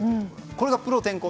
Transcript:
これがプロ転向。